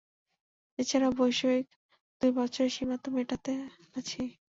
এছাড়াও বৈশ্বয়িক দুই বছরের সীমা তো মেটাতে আছেই।